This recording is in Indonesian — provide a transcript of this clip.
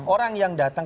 orang yang datang